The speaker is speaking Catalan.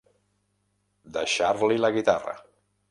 Deixar-li la guitarra.